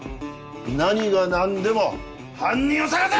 何が何でも犯人を捜せ！